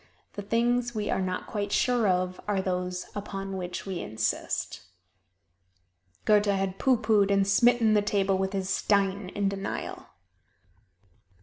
The things we are not quite sure of are those upon which we insist. Goethe had pooh poohed and smitten the table with his "stein" in denial.